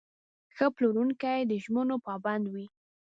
ښه پلورونکی د ژمنو پابند وي.